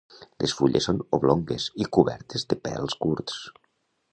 Les fulles són oblongues i cobertes de pèls curts.